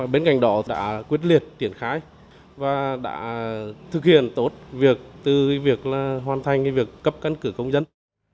bên cạnh đó đã quyết liệt triển khai và đã thực hiện tốt việc từ việc hoàn thành việc cấp căn cước công dân